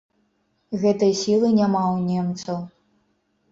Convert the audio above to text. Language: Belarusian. Гэтай сілы няма ў немцаў.